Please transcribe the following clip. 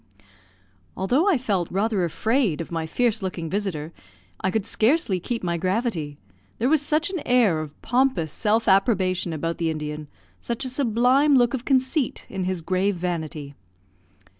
Although I felt rather afraid of my fierce looking visitor, I could scarcely keep my gravity; there was such an air of pompous self approbation about the Indian, such a sublime look of conceit in his grave vanity.